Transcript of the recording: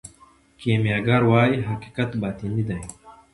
کیمیاګر وايي حقیقت باطني دی.